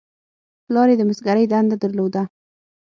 پلار یې د مسګرۍ دنده درلوده.